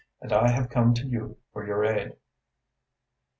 And I have come to you for your aid."